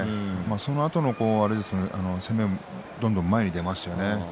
そのあとの攻めもどんどん前に出ましたね。